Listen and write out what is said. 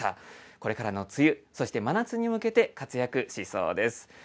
これからの梅雨、そして真夏に向けて活躍しそうです。